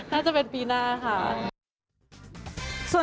น่าจะการพี่หน้าค่ะ